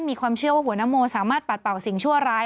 มีความเชื่อว่าหัวนโมสามารถปัดเป่าสิ่งชั่วร้าย